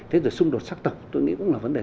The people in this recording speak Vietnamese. thế rồi xung đột sắc tộc tôi nghĩ cũng là vấn đề